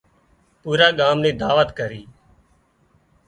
پوُرا ڳام نِي دعوت ڪرِي